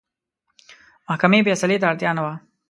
محکمې فیصلې ته اړتیا نه وه.